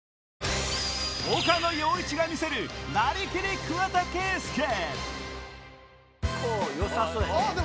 岡野陽一が見せるなりきり桑田佳祐よさそうやで。